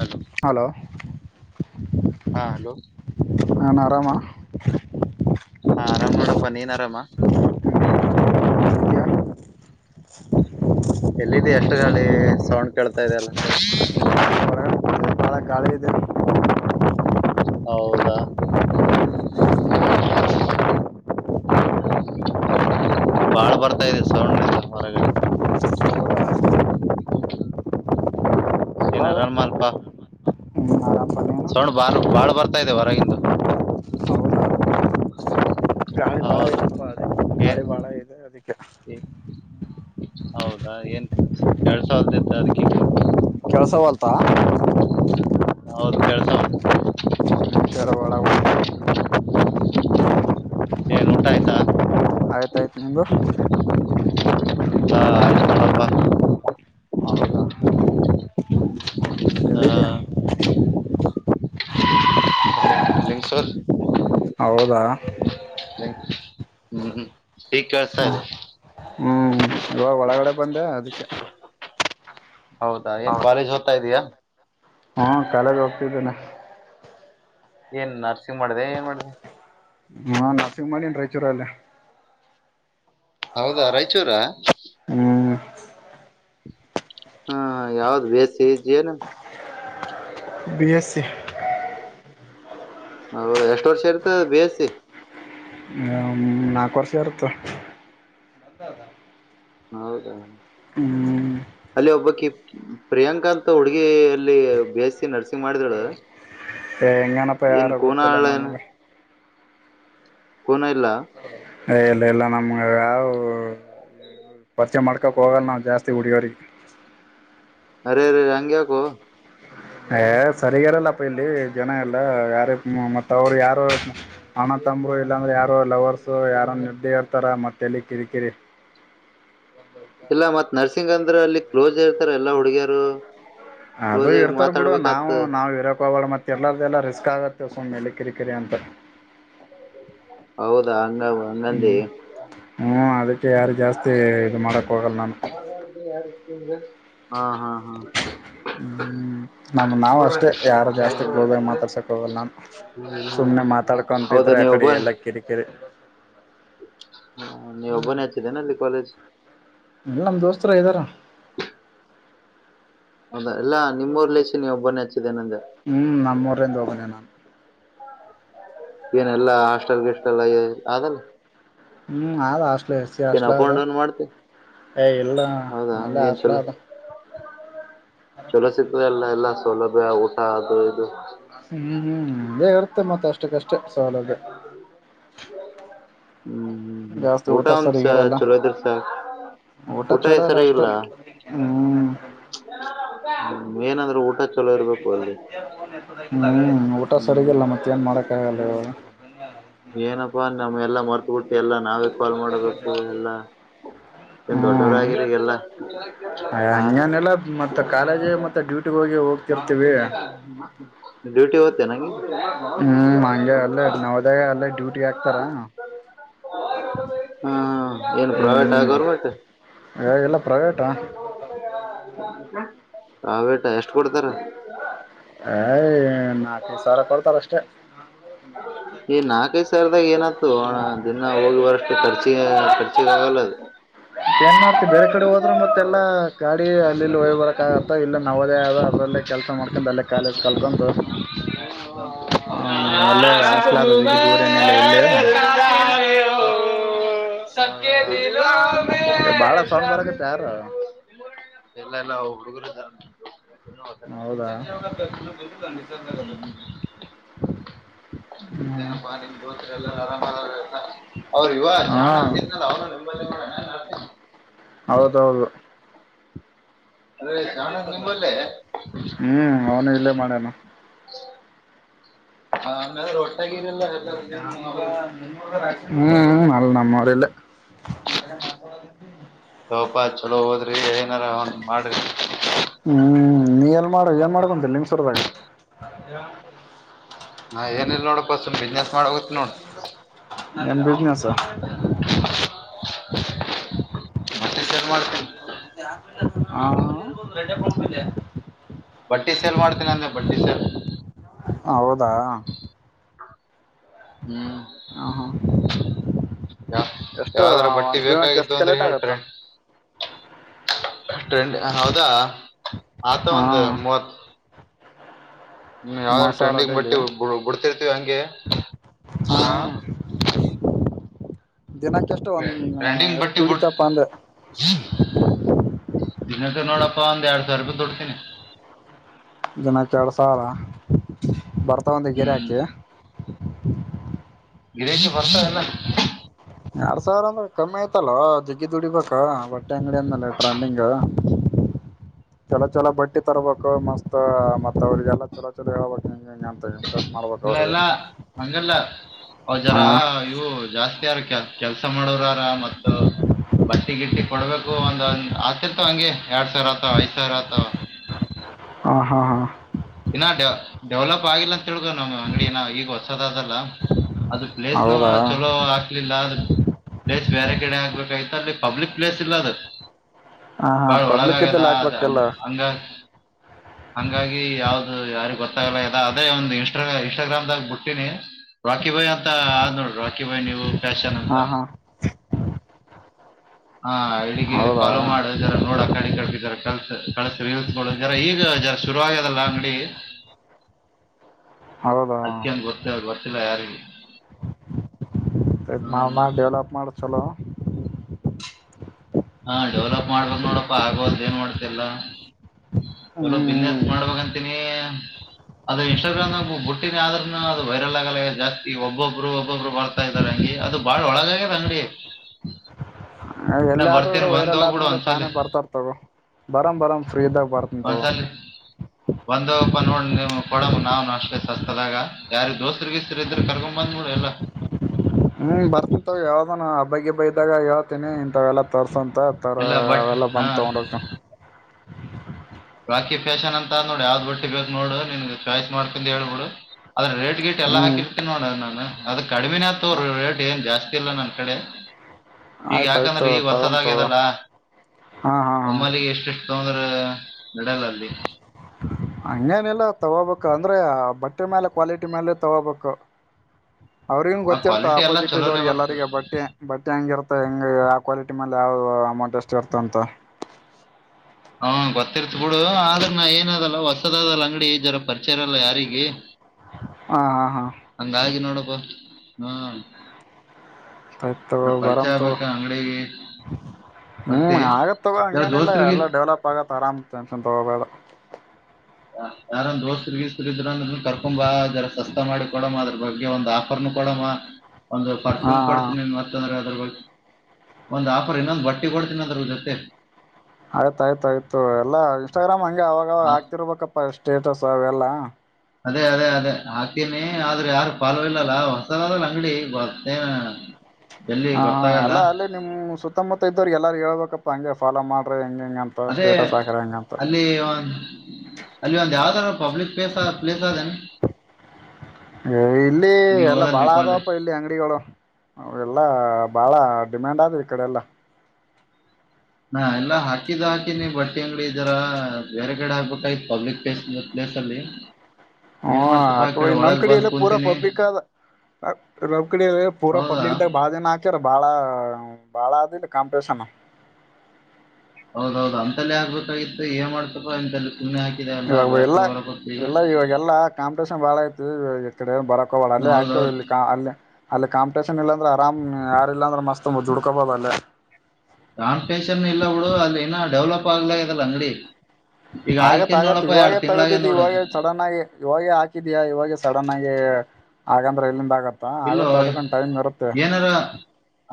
ಹಾ hello hello ನ ಆರಾಮ ಹಾ ಆರಾಮ ನೋಡಪ್ಪ ನೀನ್ ಆರಾಮ ಇದೆಯಾ [inaudible] ಎಲ್ಲಿದ್ದ ಎಷ್ಟು ಗಿ ಸೌಂಡ್ ಕೇಳ್ತಾ ಇದದೆ ಅಲ್ಲ ಬಳ ಗಳಿದ್ದ ಹೌದಾ [unintelligible] ಬಾಳ್ ಬರ್ತಾ ಇದೆ ಸೌಂಡ್ನಿಂದ ಹೊರಗಡೆಿಂದ ಏನ ರ ಮಾ ಅಲ್ಪಾ ಹ್ಞೂ ಆರಾಮಪ್ಪ ನೀನು ಸೌಂಡ್ ಬಾಳ್ ಬಾಳ್ ಬರ್ತಾ ಇದೆ ಹೊರಗಂದು ಹೌದಾ ಹೌದು ಅದಕ್ಕೆ ಹೌದಾ ಏನ್ ಎರಡ್ ಸಾವಿದ ಎ್ದ ಅದ ಕೆಳ್ಸವಲ್ತಾ ಹೌದು ಕೆಳ್ಸಲ್ ನಿಮಿಷರ ಒಳಗ ಏ ಊಟ ಆಯ್ತಾ ಆಯ್ತುಾಯ್ತು ನಿಂದು ಹಾ ಆಯ್ತು ನೋಡಪ್ಪಾ ಇಲ್ಲದಾ ಹ ನಿಂಗಸಲ್ ಹೌದಾ ಹ್ಮ್ ಈ ಕೇಳ್ತಾ ಇದೆ ಕಡ ಬಂದೆ ಅದಕ್ಕೆ ಹೌದಾ ಏನ್ ಕಾಲೇಜ್ ಹೋಗ್ತಾ ಇದಯಾ ಹಾ ಕಾಲಗೆ ಹೋಗ್ತಿದ್ದೇನೆ ಏನ್ ನರ್ಸಿಂಗ್ ಮಾಡಿದೆ ಏನ್ ಮಾಡಿದೆ ನಾ ನರಸಿಂಹಮ್ಮಳಿನ್ ರಾಯಚೂರ ಅಲ್ಲೇ ಹೌದಾ ರಾಯಚೂರಾ ಹ್ಮ್ ಹಾ ಯಾವ್ದ್ B S C G N B S C ಹೌದ ಎಷ್ಟು ವರ್ಷ ಇರ್ತ ಅ ಬೇಯಸಿ ಹ ನಾಲ್ಕು ವರ್ಷ ಇರುತ್ತ ಹೌದಾ ಹ್ಮ್ ಅಲ್ಲಿ ಒಬ್ಬ ಕಿ ಪ್ರಿಯಾಂಕಾ ಅಂತ ಹುಡುಗಿ ಅಲ್ಲಿ ಬಿ ಎಸ್ ಸಿ ನರ್ಸಿಂಗ್ ಮಾಡಿದಳು ಹ ಎಂಗನಪ್ಪ ಏನ್ ಯಾರ ಗತ್ತಲ್ಲ ನಮಗೆ ಕನ ಇಲ್ಲ ಇಲ್ಲ ಇಲ್ಲ ನಮಗ ಯಾವು ಚೆ ಮಾಡ್ಕೋಕ್ಕೆ ಹೋಗಲ್ಲ ನಾವು ಜಾಸ್ತಿ ಹಡಿಯೋ್ರರಿಗೆ ಅರೆ ಅರೆ ಆಂಗ್ಯಾಕೊ ಏ ಸರಿಗಾರಲ್ಲಪ್ಪ ಇಲ್ಲಿ ಜನ ಎಲ್ಲ ಯಾರ ಮತ್ತ ಅವರು ಯಾರು ತಂಬು ಇಲ್ಲಾಂದ್ರೆ ಯಾರೋ ಲವರ್ಸ್ ಸೊ ಯಾರು ನ್ದೆ ಹರ್ತಾರ ಮತ್ತೆಲ್ಲಿ ಕಿರಿಕಿರಿ ಇಲ್ಲ ಮತ್ ನರ್ಸಿಂಗ್ ಅಂದ್ರೆ ಅಲ್ಲಿ ಕ್ಲೋಸ್ ಇರ್ತಾರ ಎಲ್ಲಾ ಹುಡುಗಿಯರು ಅದು ಕ್ಲೋಸ್ ಆಗಿ ಇರ್ತಾರ ಬಿಡು ನಾವು ಮಾತಾಡ್ಬೇಕಾತ್ ನಾವ್ ಇರಕ್ಬಳ ಮತ್ತೆ ತಿರ್ಲಾರದೆಲ್ಲ ರಿಸ್ಕ್ ಆಗತ್ತೆ ಸುಮ್ಮ್ನೆಲೆ ಕಿರಿಕಿರಿ ಅಂತ ಹೌದಾ ಹ ಹ ನಂದಿ ಹ್ಮ ಅದು ಯಾರು ಜಾಸ್ತಿ ಇದು ಮಾಡಕ ಹೋಗಲ್ಲ ನಾನು ಹಾ ಹಾ ಹಾ ಹ್ಮ್ ನಮ ನಾವ ಅಷ್ಟೇ ಯಾರು ಜಾಸ್ತಿ ಕ್ಲೋಸ್ ಆಗಿ ಮಾತಾಡ್ಸಕ್ ಹೋಗಲ್ಲ ನಾು ಸುಮ್ನೆ ಹೌದಾ ಮಾತಾಡ್ಕೊಂತಿದ್ರೆ ನೀ ಆಕಡೆ ಒಬ್ಬ ಎಲ್ಲ ಕಿರಿಕಿರಿ ಹ ನೀ ಒಬನಯಚ ನ ಅಲ್ಲಿ ಕಜ ಇಲ್ಲ ನಮ ದೋಸ್ತರ ಇದ್ದಾರ ಹೌದಾ ಎಲ್ಲ ನಿಮ್ಮರಿಲೇಷನ್ ನೀವು ಒಬ್ಬನೇ ಹಚ್ಚಿದೇನಂದೆ ಹ್ಮ್ ನಮ್ಮ್ೂಊರಿಂದ ಹೋಗೋನೆ ನಾನನ್ ಏನೆಲ್ಲಾ ಹಾಸ್ಟೆಲ್ ಗಿಷ್ಟಲ್ಲ ಅಲ್ಲ ಹ್ಮ್ ಅ ಅಷ್ಟು ಎಸ ಹಸ್ಲ ಅದ ಡೌನ್ ಮಾಡ್ತಿ ಏ ಇಲ್ಲ ಹೌದಾ ಅಲ್ಲ ಏನ್ ಹಸ್ಲ ಚಲೋ ಅದ ಚಲೋ ಸಿತದೆ ಅಲ್ಲ ಎಲ್ಲ ಸೌಲಭ್ಯ ಊಟ ಅದು ಇದು ಹ್ಮ್ ಹ್ಮ್ ಬೇಗ ಅರ್ಥ ಮತ್ತತ್ ಅಷ್ಟಕ್ಕ ಅಷ್ಟೇ ಸವಾಲದ ಹ್ಮ್ ಹ್ಮ್ ಹ್ಮ್ ಜಾಸ್ತಿ ಊಟ ಒಂದಸ ಸರಿಗಿರಲ್ಲ ಚಲೋ ಇದ್ರಸ ಊಟ ಈ ಸರಿ ಇಲ್ಲ ಹ್ಮ್ ಏನಂದ್ರೆ ಊಟ ಚಲೋ ಇರ್ಬೇಕು ಅಲ್ಲಿ [unintelligible] ಹ್ಮ್ ಸರಿಗಿಲ್ಲ ಮತ್ತ ಏನ್ ಮಾಡಕ್ಕ ಆಗಲ್ಲ ಇವಾಗ ಏನಪ್ಪಾ ನಮ್ಮ ಎಲ್ಲ ಮರ್ತ ಉಟಿ ಎಲ್ಲ ನಾವೇ ಕಾಲ್ ಮಾಡಬೇಕು ಎಲ್ಲಾ ಏನ್ ಹ್ಮ್ ದೊಡ್ಡವರಾಗಿರಿ ಎಲ್ಲಾ ಹಾ ನೀನ್ಲ್ಲ ಮತ್ತೆ ಕಾಲೇಜ್ ಮತ್ತೆ ಡ್ಯೂಟಿ ಹೋಗಿ ಹೋಗ [inaudible] ಡೂಟಿ ಓತ್ತೆ ನನಗೆ ಹ್ಮ್ ಹಂಗೆ ಅಲ್ಲೇ ನವದಾಗ ಅಲ್ಲೇ ಡ್ಯೂಟಿ ಹಾಕ್ತಾರ ಹಾ ಏನು ಪ್ರೈವಟ್ ಆ ಹ್ಮ್ ಗೌರ್ಮೆಂಟ್ ಇಲ್ಲ ಪ್ರೈವೇಟಾ ಹ ಬೇಟಾ ಎಷ್ಟ್ ಕೊಡ್ತಾರ ತರ [inaudible] ಹ ಯ್ ನಾಲ್ಕು ಐದ್ ಸಾವಿರ ಕೊಡ್ತಾರ ಅಷ್ಟೇ ಈ ನಾಲ್ಕ್ ಐದ್ ಸಾವಿರದಾಗ ಏನತು ಅಣ ದಿನ ಅವಲ್ ವರ್ ಕರ್ಚಿ ಪರ್ಚಿ ಆಗಲ್ಲದು ಏನ್ ಮಾಡ್ತಿ ಬೇರೆ ಕಡೆ ಹೋದ್ರೆ ಮತ್ತೆಲ್ಲಾ ಗಾಡಿ ಅಲ್ಲಿಲ್ಲಿ ಹೋಗ್ ಬರಕ್ ಆಗತ್ತ ಇಲ್ಲ ನವೋದಯ ಆದೆ ಅದ್ರಲ್ಲೇ ಕೆಲ್ಸ ಮಾಡ್ಕಂಡು ಅಲ್ಲೇ ಕಾಲೇಜ್ ಕಲ್ಕಂತು ಹ ಹ ಅಲ್ಲೇ ಹಾಸ್ಟೆಅದ ದ್ಜಗ ದೂರ ಏನಿಲ್ಲ ಇಲ್ಲೇ ಹೆದಿರಾಮ್ ಸೌಂಡ್ [unintelligible] ಬರಕತ್ತ ಯಾರ ಎಲ್ಲ ಇಲ್ಲ ಹುಡುಗುರಿದರ ಹೌದ ಏನಪ್ಪಾ ನಿಮ್ ದೋಸ್ತ್ರೆಎಲ್ಲ ಆರಾಮ ಅವ್ರು ಇವಾಗ ಹಾ ಚಾಣ ಅಂತಿದ್ನಲ್ಲ ಅವನು ಮೆಮ್ಬರ್ ಆಗವ್ನೆ ಆತು [unintelligible] ಹೌದೌದು ಅರೆ ಶಾಣಕ್ ನಿಂಬಲ್ಲೇ ಹ್ಮ್ ಅವನು ಇಲ್ಲೇ ಮಾಡ್ಯಾನ ಅನಿಂಟೆಲಿಜಬಲ್ [unintelligible] ಹ ಆಮೇಲೆ ರೊಟ್ಟಾಗಿರೆಲ್ಲ ಎಲ್ಲ ಜೀವನ ಅವರೆ ಬೆಲ್ಲ ಸೌಪಾ ಚಲೋ ಹೊದ್ರೀ ನಾರ ಒಂದು ಮಾಡ್ರಿ ಹ್ಮ್ ನೀ ಎಲ್ಲ ಮಾಡ ಏನ್ ಮಾಡ ಬಂದಿಲ್ಲ ನಿಂಗ್ ಸರ್ದಾಗ ನಾ ಏನಿಲ್ಲಲ್ ನೋಡಪ ಸುಮ್ ಬಿಸ್ನೆಸ್ ಆಗುತ್ ನೋಡ್ ಏನ್ ಬಿಸ್ನೆಸ್ ಮತ್ತ ಶೇರ್ ಮಾಡ್ತೀನೆ ಮತ್ತೆ ಅಪ್ ಹ ರಜೆ ಕೊಡ್ಕೊಳ್ಳೇ [unintelligible] ಬಟ್ಟಿ ಸೇಲ್ ಮಾಡ್ತೀನಿ ಅಂದೆ ಬಟ್ಟಿ ಸೇಲ್ ಹೌದಾ ಹ್ಮ್ ಹಾ ಯ ಎಷ್ಟು ಯಾವ್ದಾರ ಬಟ್ಟಿ ಒಂದ್ ದಿನಕ್ಕೆ ಬೇಕಾಗಿತ್ತು ಎಷ್ಟು ಅಂದ್ರೆ ಕಲೆಕ್ಟ್ ಆಗತ್ತ ಹೇಳ್ಟ್ರೆ ಟ್ರೆಂಡ್ ಹೌದಾ ಆತ ಹಾ ಒಂದು ಮೂವತ್ ಯಾವ್ದ ಮೂವತ್ ಸಾವಿರ ಟ್ರೆಂಡಿಂಗ್ ಡೈಲಿ ಬಟ್ಟಿ ಬಿಡ್ತಿರ್ತಿವಿ ಹಂಗೆ ಹಾ ಹ ದಿನಕ್ಕೆ ಎಷ್ಟು ಒಂದ್ ಟ್ರೆಂಡಿಂಗ್ ಎಷ್ಟು ಬಟ್ಟಿ ಬಿ ದುಡಿತಪ್ಪ ಅಂದೆ ಇನ್ನಕ್ಕೆ ನೋಡಪ್ಪ ಒಂದ ಎರ್ ಸಾವಿರುಪೈ ದುಡಿತೀನಿ ದಿನಕ್ಕೆ ಎರಡ್ ಸಾವ್ರ ಬರ್ತಾ ಒಂದು ಹ್ಮ್ ಗಿರಾಕಿ [inaudible] ಗಿರಿಶ್ ಬರ್ತಾನಲ್ಲ ಇಲ್ಲ ಎರಡ್ ಸಾವಿರ ಅಂದ್ರೆ ಕಮ್ಮಿ ಆಯ್ತಲ್ ಜಿಗ್ಗಿ ದುಡಿಬೇಕ ಬಟ್ಟೆ ಅಂಗಡಿ ಅಂದೇ ಟ್ರೆಂಡಿಂಗ್ ಚಲ ಚಲೋ ಬಟ್ಟೆ ತರ್ಬೇಕು ಮಸ್ತ್ ಮತ್ ಅವ್ರಿಗೆಲ್ಲ ಚಲೋ ಚಲೋ ಹೇಳ್ಬೇಕ ಇಲ್ಲ ಎಲ್ಲ ಹಂಗಲ್ಲ ಅವ ಜರ ಹಾ ಇವು ಜಾಸ್ತಿ ಯ ಕೆಲ್ಸ ಮಾಡೋರ ಮತ್ ಬಟ್ಟೆ ಗಿಟ್ಟಿ ಕೊಡ್ಬೇಕು ಒಂದ ಒಂದ್ ಆತಿರ್ತಾವ ಹಂಗೆ ಎರಡ್ ಸಾವಿರ ಆತಾವ ಐದ್ ಸಾವಿರ ಆತಾವ ಹಾ ಹಾ ಹಾ ಇನ್ನ ಡೆ ಡೆವಲಪ್ ಆಗಿಲ್ಲ ಅಂತ ತಿೇಳ್ಗೋ ನ್ ಅಂಗಡಿಿನ ಈಗ ಹೊಸದಾದ ಅದು ಪ್ಲೇಸ್ ನ ಹೌದಾ ಚಲೋ ಹಾಕ್ಲಿಲ್ಲ ಅದು ಪ್ಲೇಸ್ ಬೇರೆ ಕಡೆ ಆಗ್ಬೇಕಾಯ್ತ ಅಲ್ಲಿ ಪಬ್ಲಿಕ್ ಪ್ಲೇಸ್ ಇಲ್ಲ ಅದ ಹಾ ಹಾ ಭಾಳ್ ಪಬ್ಲಿಕ್ ಒಳಗಗ್ಯದ ಇದ್ದಲ್ಲಿ ಅದ್ ಹಾಕ್ಬೇಕಲ್ಲ ಹಂಗ ಹಂಗ ಹಂಗಾಗಿ ಯಾವ್ದದು ಯಾರಿ ಗೊತ್ತಾಗಲ್ಲ ಇ ಅದೇ ಒಂದು್ ಇನ್ಸ್ಟ ಇನ್ಸ್ಟಾಗ್ರಾಮ್ದಾಗ ಬಿಟ್ಟೀನಿ ರಾಕಿ ಬಾಯ್ ಅಂತ ಆದ್ ನೋಡಿ ರಾಕಿ ಬಾಯ್ ನೀವು ಫ್ಯಾಶನ್ ನಾಂತ ಹಾ ಹಾ ಹಾ ಇಡಿ ಗಿಡಿ ಗೆ ಹೌದಾ ಫಾಲೋ ಮಾಡ ಜಾರ್ ನೋಡ ಕಳಿ ಕಳಿದರ ಕಲ್ಸ ಕಳಸ ರೀಲ್ಸ್ಗಳು ಈಗ ಶುರುರುವಾಗದಲ್ಲ ಅಂಗಡಿ ಹೌದಾ ಅದ್ಕಂ ಗೊತ್ತ ಗೊರ್ತ್ತಿಲ್ಲ ಯಾರಿಗೆ ಮಾಡಲ್ ಹ್ಮ್ ಮಾಡ ಡೆೇವಲಪ ಮಾಡ ಚಲೋ [inaudible] ಹಾ ಡೆವಲಪ್ ಮಾಡ್ಬೇಕ ನೋಡಪ್ಪಾ ಆಗೋ ಅಲ್ ಏನ್ ಮಾಡ್ತಿಲ್ಲಾ ಚಲೋ ಬಿಸ್ನೆಸ್ ಹ್ಮ್ ಸ್ ಮಾಡ್ಬೇಕಂತೀನಿ ಅದ ಇನ್ಸ್ಟಾಗ್ರಾಮ್ನಾಗ ಬುಟ್ಟಿನ ಆದ್ರೂನು ಅದು ವೈರಲ್ ಆಗಲ್ಲ ಜಾಸ್ತಿ ಒಬ್ಬೊಬ್ರು ಒಬ್ಬೊಬ್ರು ಬರ್ತಾ ಇದಾರೆ ಹಂಗಗೆ ಅದು ಬಾಳ್ ಒಳಗಾಗ್ಯದ ಅಂಗಡಿ ನಾ ಎಲ್ಲ ಆದ್ರೂಗಡೆ ಬರ್ತೀನಿ ಬಂದ್ ವೈರಲ್ ಹೋಗ್ಬಿಡು ಆದ್ಮೇಲೆ ಒಂದ್ಸಲಿ ತಾನೇ ಬರ್ತಾರ ತಗ ಬರಂ ಬರಮ ಫ್ರೀದಾಗ ಬರ್ತನ್ ತಗ ಒಂದ್ಸಲಿ ಕೊಡ ನಾನು ಅಷ್ಟೇ ಸಸ್ತದಾಗ ಯಾರಗೆ ದೋಸ್ರರಿಗೆ ಗಿಸ್ಟ್ರಿಗ್ ಇದ್ರ ಕರ್ಕೊ ಬಂದ್ ನೋಡಿ ಎಲ್ಲ ಹ [inaudible] ಹ್ಮ್ ಬರ್ತಿತ್ತವ ಯಾವ್ದಾನ ಹಬ್ಬ ಗಿಬ್ಬಾ ಇದಾಗ ಹೇಳ್ತಿನಿ ಇಂತಾವು ಎಲ್ಲಾ ತೋಸಂತ ಥರ ಎಲ್ಲ ಬಟ್ ಅವೆಲ್ಲ ಹಾ ಬಂದು ತಗೊಂಡಕ ಬಾಕಿ ಫ್ಯಾಷನ್ ಅಂತ ಅ ನೋಡಿ ಯಾವ್ದು ಬಟ್ಟಿ ಬೇಕಕ್ ನೋಡು ನಿನ್ ಚಾಯ್ಸ್ ಮಾಡ್ಕೊಂಡ್ ಹೇಳ್ಬಿಡು ಅದನ್ನ ರೇಟ್ ಗೀಟ್ ಎಲ್ಲ ಹ್ಮ್ ಹಾಕಿರ್ಬೇಕೇ ನೋಡದು ನಾನು ಅದ ಕಡಿಮಿನ ಆತು ರೇಟ್ ಏನ್ ಜಾಸ್ತಿ ಇಲ್ಲ ನನ್ ಕಡೆ ಈಗ ಆಯ್ತಾಯ್ತು ಯಾಕಂದ್ರೆ ಈಗ ತಗೊಂಡ್ ತಗೋ ಹೊಸದಾಗ್ಯದಲ್ಲ ಹಾ ಹಾ [unintelligible] ಒಮ್ಮಾಲಿಗೆ ಎಷ್ಟೆಷ್ಟು ತೊಗೋಬಂದ್ರ ಹಂಗೇನಲ್ಲ ತಗೋಬೇಕ ಅಂದ್ರೆ ಬಟ್ಟೆ ಮೇಲೆ ಕ್ವಾಲಿಟಿ ಮೇಲೆ ತಗೋಬೇಕು ಅವ್ರಿಗನ್ ಆ ಗೊತ್ತಿರ್ತ ಕ್ವಾಲಿಟಿ ಎಲ್ಲ ಅಪೋಸಿಟ್ ಚಲೋನೇ ಇದ್ರಿಗೆ ಬರ್ತದ ಎಲ್ಲರಿರಿಗೆ ಬಟ್ಟೆ ಬಟ್ಟೆ ಹೆಂಗ ಇರ್ತ ಹೆಂಗ ಆ ಕ್ವಾಲಿಟಿ [unintelligible] ಮೇಲೆ ಯಾವ ಅಮೌಂಟ್ ಎಷ್ಟು ಇರ್ತಂತ ತಿರ್ತ್ ಬಿಡು ಆದ್ರ ನಾ ಏನ ಅದಲ್ಲ ಹೊಸದಲ್ಲ ಅಂಗಡಿ ಜನ ಪರಿಚಯರಲ್ಲ ಯಾರಿಗೆ ಹಾ ಹಾ ಹಂಗಾಗಿ ನೋಡು ವ ಹ್ಮ ಆಯತ್ ಗೊ ಬರಂತಗೊ ಅಂಗಡಿಗೆ ಹ್ಮ್ ಬರ್ತಿ ಆಗತ್ ತಗೊ ಜರ ಹಂಗೇನಿಲ್ಲ ದೋಸ್ತ್ರಿಗೆ ಎಲ್ಲ ಡೆವಲಪ್ ಆಗತ್ ಆರಾಮ ಅಂತ ಟೆನ್ಶನ್ ತಗೋಬೇಡ ಯಾರಂದ ದೋಸರು ಗಿಸ್ತರು ಇದ್ರ ಅಂದ ಕರ್ಕೊಂಬ ಜರ ಸಸ್ತ ಮಾಡಿ ಕೊಡಮ್ಮ ಅದ್ರ ಬಗ್ಗೆ ಒಂದ್ ಆಫರ್ನು ಕೊಡಮ್ಮ ಒಂದು ಹಾ ಪರ್ಫ್ಯೂಮ್ ಹಾ ಕೊಡ್ತೀನ ಮತ್ತಂದ್ರೆ ಅದ್ರ ಬಗ್ ಒಂದ್ ಆಫರ್ ಇನ್ನೊಂದು ಬಟ್ಟೆ ಕೊಡ್ತೀನದ್ರ ಜೊತೆ ಆಯ್ತಾಆಯ್ತಾ ಅಯ್ತು ಎಲ್ಲ ಇಸ್ಟಾಗ್ರಾಮ್ ಹಂಗೆ ಅವಾಗಾವಾಗ ಆ ಆಗ್ತಿರ್ಬೇಕಪ್ ಅ ಸ್ಟೇಟಸ್ ಅವೆಲ್ಲಾ ಅದೇ ಅದೇ ಅದೇ ಹಾಕ್ತೀನಿ ಆದ್ರ ಯಾರ ಪಾಲು ಇಲ್ಲಲ್ಲ ಹೊಸದ ಅದಲ್ಲ ಅಂಗಡಿತ್ತೇ [unintelligible] ಹಾ ಹಾ ಎಲ್ಲ ಅಲ್ಲಿ ನಿಮ್ ಸುತ್ತಮುತ್ತ ಇದ್ದವ್ರಿ ಗೆಲ್ ಎಲ್ಲಾರ ಹೇಳ್ಬೇಕಪ್ಪ ಹಂಗೆ ಫಾಲೋ ಮಾಡ್ರಿ ಹಂಗೆ ಅದೇ ಅಲ್ಲಿ ಒಂದ್ ಅಲ್ಲಿ ಒಂದ ಯಾವ್ದಾರ್ ಪಬ್ಲಿಕ್ ಪ್ಲೇಸ್ ಪ್ಲೇಸ್ ಅದ ಇಲ್ಲಿ ನೀವ್ ಎಲ್ಲಾ ಬಾಳ ಹೋದಲ್ಲಿ ಕಾಲೇಜ್ ಆದವಪ್ಪ ಇಲ್ಲಿ ಅಂಗಡಿಗಳು ಎಲ್ಲಾ ಬಾಳ ಡಿಮ್ಯಾಂಡ್ ಆದಿ ಅ ಕಡೆ ಎಲ್ಲ ಹಾ ಎಲ್ಲಾ ಹಾಕಿದ್ದ್ ಹಾಕಿನಿ ಬಟ್ಟೆ ಅಂಗ್ಡಿ ಇದರ ಬೇರೆ ಕಡೆ ಆಗ್ಬಿಟ್ಟೈ ಪಬ್ಲಿಕ್ ಪ್ಲೇಸ್ ಪ್ಲೇಸ್ ಅಲ್ಲಿ ಹ್ಮ ಏನ್ ಮಾಡ್ತಪ್ಪ ಆಕ ಕೇಳಿ ನಮ್ ಒಳಗ್ ಕಡೆ ಬಂದ್ ಎಲ್ಲ ಪೂರಾ ಕುಂತೀನಿ ಪಬ್ಲಿಕ್ದ ನಮ್ ಕಡೆಲ್ಲ ಪೂರಾ ಹೌದಾ ಪಬ್ಲಿಕ್ದಾಗ ಬಾಳ ಜನ ಹಾಕ್ಯಾರ ಬಾಳ ಬಾಳ ಅದಿಲ್ಲ [unintelligible] ಕಾಮ್ ಪ್ರಸಾನ ಹೌದೌದು ಅಂತಲ್ಲ ಆಗ್ಬೇಕಾಗಿತ್ತು ಏನ್ ಮಾಡ್ತಪ್ಪ ಅಂತ ಇವಾಗ ಎಲ್ಲ ಎಲ್ಲ ಇವಾಗೆಲ್ಲಾ ಕಾಂಪಿಟೇಷನ್ ಬಾಳ ಐತು ಕ ಬರ [unintelligible] [unintelligible] ಹ ಅಲ್ಲೇ ಹಾಕ ಹೌದೌದು ಅಲ್ಲಿ ಅಲ್ಲಿ ಕಾಂಪಿಟೇಷನ್ ಇಲ್ಲಂದ್ರ ಆರಾಮ್ ಯಾರಿಲ್ಲ ಅಂದ್ರೆ ಮಸ್ತ್ ಜುಡ್ಕೊಬೋದಲ್ಲೇ ಕಾಂಪಿಟೇಷನ್ ಇಲ್ಲ ಬಿಡು ಅಲ್ಲಿ ಇನ ಡೆವಲಪ್ ಆಗ್ಲ ಇಲ್ಲ ಅಂಗಡಿ ಈಗ ಆಗಿಕೆ ಆಗತ್ ಆಗತೇ ನೋಡಪ್ಪ ಎರಡ್ ಇವಾಗೇ ತಿಂಗಳಾಗೆ ತಗದಿದ್ದಿ ನೋಡ ಇವಾಗ ಸಡನ್ ಆಗಿ ಇವಾಗ ಹಾಕಿದಯಾ ಇವಾಗ ಸಡನ್ ಆಗಿ. ಗೇ ಹಾಗಂದ್ರೆ ಎಲ್ಲಿಂದ ಆಗದ್. ಇಲ್ಲೋ ಏನಾರ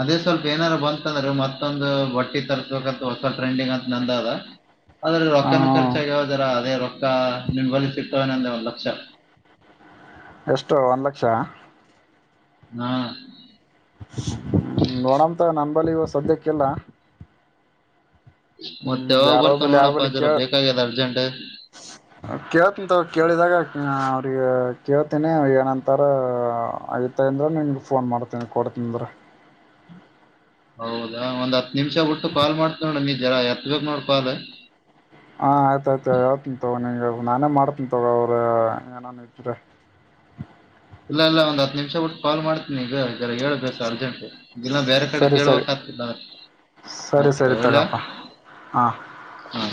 ಅದೇ ಸ್ವಲ್ಪ ಏನಾರ ಬಂತಂದ್ರೆ ಮತ್. ಮತ್ತೊಂದು ಬಟ್ಟಿ ತರ್ಸ್ಬೇಕತ್ ಹೊಸ ಟ್ರೆಂಡಿಂಗ್ ಅಂತ ನಂದ ಅದ. ಅಂದ್ರೆ ಹ ರೊಕ್ಕನ ಖರ್ಚಾಗ್ಯಾವದರ ಅದೇ ರೊಕ್ಕ ನಿಮ್ ಬಳಿ ಸಿಕ್ತವೇನೆಂದೇ ಒಂದ್. ಅ [unintelligible] ಎಷ್ಟು ಒಂದ್ ಲಕ್ಷ. ಹಾ. ನೋಡಮ್ ತೊಗೊ ನನ್ನ ಬಳಿ ಇವಾಗ ಸದ್ಯಕ್ಕಿಲ್ಲ. ಮತ್ತೆ ಹ್ಮ ಯಾವಾಗ ಯಾರೋ ಬರ್ತಾವ ಬಳಿ ಅವರ ನೋಡಪ್ಪ ಬಳಿ ಜರ ಕೇಳ್ದೆ ಬೇಕಾಗ್ಯದ ಅರ್ಜೆಂಟ್ ಕೇಳ್ತತೀನಿ ತೊಗೊ ಕೇಳಿದಾಗ. ಕೇಳ್ತೀನಿ ಏನಂತಾರ ಐತ ಅಂದ್ರೆ ನಿಂಗೆ ಫೋನ್ ಮಾಡ್ತೀನಿ ಕೊಡ್ತಿನಂದ್ರೇ. ಹೌದಾ ಒಂದ್ ಹತ್ತು ನಿಮಿಷ ಬಿಟ್ಟು ಕಾಲ್ ಮಾಡ್ತೀನಿ ನೋಡ ಈ ಜರ ಎತ್ಬೇಕ ನೋಡ ಪಾ ಅದ ಹಾ ಆಯ್ತಾ ಆಯ್ತಾ ಹೇಳ್ತಿನ ತಗೋ ನಾ ನಾನೇ ಮಾಡ್ತೀನಿ ತಗೋ ಅವ್ರ ಏನಾನ ಇದ್ರೇ. ಇಲ್ಲ ಇಲ್ಲ ಒಂದ್ ಹತ್ ನಿಮಿಷ ಬಿಟ್ಟು ಕಾಲ್ ಮಾಡ್ತೀನಿ ಈಗ ಜರಾ ಹೇಳ್ಬೇಕು ಅರ್ಜೆಂಟ್. ಇಲ್ಲ ಬೇರೆ ಕಡೆ ಸರಿ ಸರಿ ಕೇಳ್ಬೇಕ್ ಆತತೆ ಸರಿ ಆಯ್ತು ಸರಿ ಇಡ್ಲಾ ತಗಪ್ಪ ಹಾಂ ಹಾ.